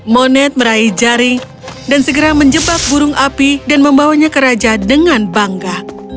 moned meraih jaring dan segera menjebak burung api dan membawanya ke raja dengan bangga